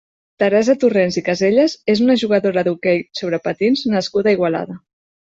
Teresa Torrents i Casellas és una jugadora d'hoquei sobre patins nascuda a Igualada.